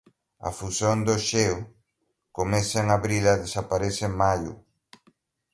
A fusión do xeo comeza en abril e desaparece en maio.